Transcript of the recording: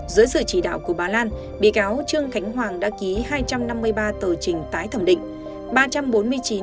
dưới sự chỉ đạo của bà lan bị cáo trương khánh hoàng đã ký hai trăm năm mươi ba tờ trình tái thẩm định